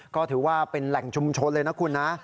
ก็ถือว่าเป็นแหล่งชุมชนเลยนะคุณนะ